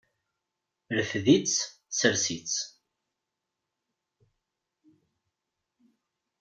Rfed-itt, sers-itt.